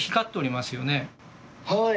はい。